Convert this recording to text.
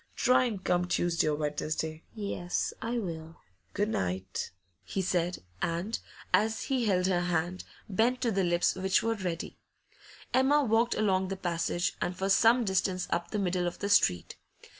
Try and come Tuesday or Wednesday.' 'Yes, I will.' 'Good night!' he said, and, as he held her hand, bent to the lips which were ready. Emma walked along the passage, and for some distance up the middle of the street.